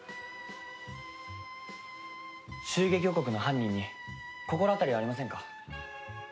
襲撃予告の犯人に心当たりはありませんか？